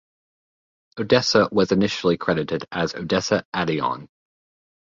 Odessa was initially credited as Odessa Adlon.